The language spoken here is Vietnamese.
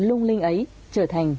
lung linh ấy trở thành